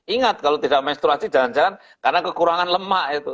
ingat kalau tidak menstruasi jangan jangan karena kekurangan lemak itu